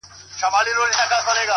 له سدیو دا یوه خبره کېږي!!